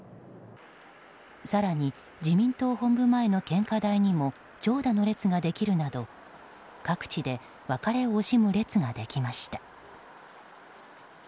更に、自民党本部前の献花台にも長蛇の列ができるなど、各地で別れを惜しむ列ができました。